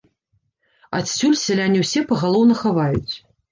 Адсюль сяляне ўсё пагалоўна хаваюць.